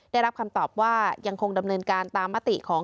ได้รับคำตอบว่ายังคงดำเนินการตามมติของ